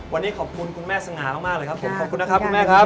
วันนี้ขอบคุณคุณแม่สง่ามากเลยครับผมขอบคุณนะครับคุณแม่ครับ